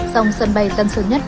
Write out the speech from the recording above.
dòng sân bay tân sơn nhất